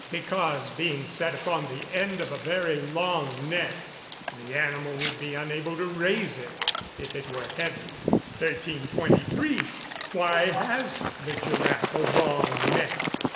_ Because, being set upon the end of a very long neck, the animal would be unable to raise it if it were heavy. 1323. _Why has the giraffe a long neck?